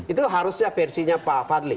itu harusnya versinya pak fadli